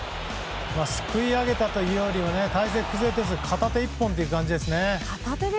すくいあげたというより体勢が崩れてて片手一本という感じですね。